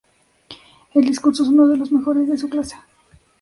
El discurso es uno de los mejores de su clase.